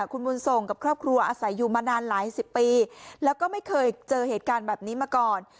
คุณบุญส่งกับครอบครัวอาศัยอยู่มานานหลายสิบปีแล้วก็ไม่เคยเจอเหตุการณ์แบบนี้มาก่อน